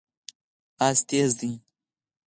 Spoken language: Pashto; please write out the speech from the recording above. اس ګړندی دی